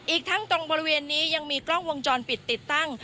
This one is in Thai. อีกทั้งตรงบริเวณนี้ยังมีกล้องวงจรปิดติดตั้ง